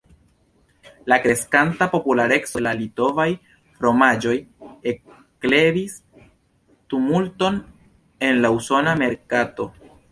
La kreskanta populareco de la litovaj fromaĝoj eklevis tumulton en la usona merkato.